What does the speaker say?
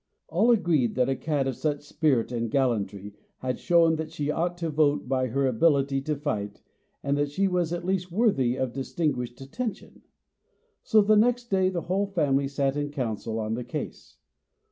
All agreed that a cat of such spirit and gallantry had shown that she ought to vote by her ability to fight, and that she was at least worthy of distinguished attention. So the next day the whole family sat in council on the case.